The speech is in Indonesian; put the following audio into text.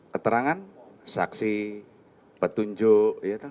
keterangan saksi petunjuk ya kan